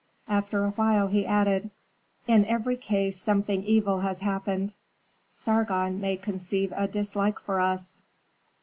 After a while he added, "In every case something evil has happened. Sargon may conceive a dislike for us."